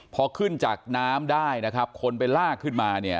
พอขึ้นจากน้ำได้นะครับคนไปลากขึ้นมาเนี่ย